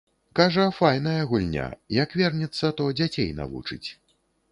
Кажа, файная гульня, як вернецца то дзяцей навучыць.